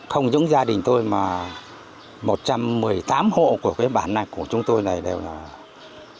không những gia đình tôi mà một trăm một mươi tám hộ của cái bản này của chúng tôi này đều là có một cái tinh thần